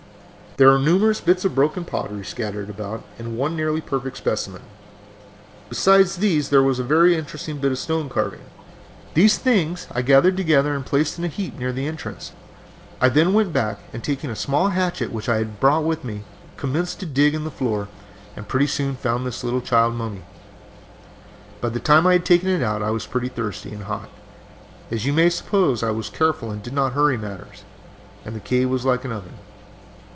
"There were numerous bits of broken pottery scattered about and one nearly perfect specimen. Besides these there was a very interesting bit of stone carving. These things I gathered together and placed in a heap near the entrance. I then went back and, taking a small hatchet which I had brought with me, commenced to dig about in the floor and pretty soon found this little child mummy. "By the time I had taken it out I was pretty thirsty and hot, as you may suppose. I was careful and did not hurry matters, and the cave was like an oven.